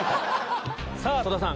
さぁ戸田さん